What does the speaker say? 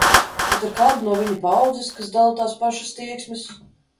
Bet ar kādu no viņa paaudzes, kas dala tās pašas tieksmes?